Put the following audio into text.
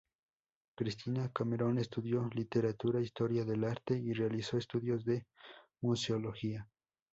Christina Cameron estudió Literatura, Historia del arte y realizó estudios de Museología.